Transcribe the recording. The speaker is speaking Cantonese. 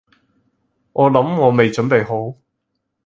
我諗我未準備好